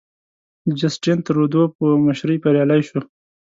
د جسټین ترودو په مشرۍ بریالی شو.